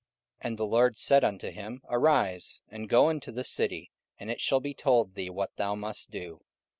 And the Lord said unto him, Arise, and go into the city, and it shall be told thee what thou must do.